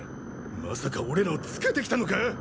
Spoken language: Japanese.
まさか俺らをつけて来たのか！？